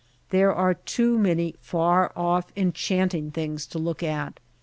There are too many far off, enchanting things to look at.